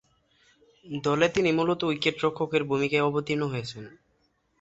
দলে তিনি মূলতঃ উইকেট-রক্ষকের ভূমিকায় অবতীর্ণ হয়েছেন।